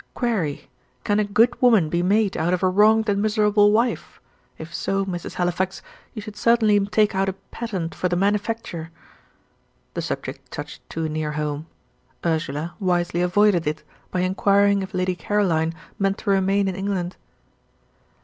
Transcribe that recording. "Query, Can a 'good woman' be made out of a 'wronged and miserable wife'? If so, Mrs. Halifax, you should certainly take out a patent for the manufacture." The subject touched too near home. Ursula wisely avoided it, by inquiring if Lady Caroline meant to remain in England.